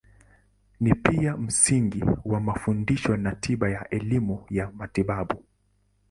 Ni pia msingi wa mafundisho ya tiba na elimu ya matibabu.